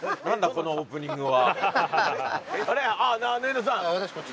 このオープニングは。